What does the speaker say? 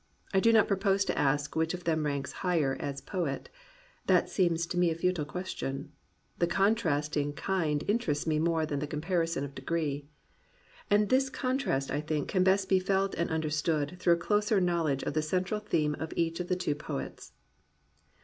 I do not pro pose to ask which of them ranks higher as poet. That seems to me a futile question. The contrast in kind interests me more than the comparison of degree. And this contrast, I think, can best be felt and understood through a closer knowledge of the central theme of each of the two poets.